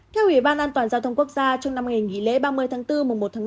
theo ủy ban an toàn giao thông quốc gia trong năm ngày nghỉ lễ ba mươi tháng bốn mùa một tháng năm